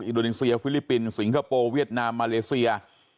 อินโดนีเซียฟิลิปปินส์สิงคโปร์เวียดนามมาเลเซีย